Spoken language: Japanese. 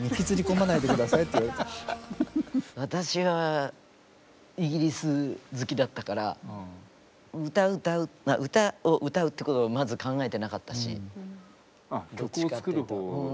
私はイギリス好きだったから歌を歌うってことはまず考えてなかったし。